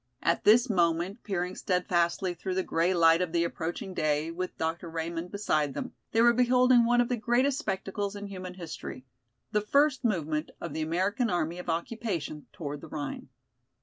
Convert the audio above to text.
At this moment, peering steadfastly through the grey light of the approaching day, with Dr. Raymond beside them, they were beholding one of the greatest spectacles in human history, the first movement of the American Army of Occupation toward the Rhine.